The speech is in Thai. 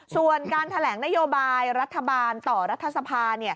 ส่วนการแถลงนโยบายรัฐบาลต่อรัฐสภา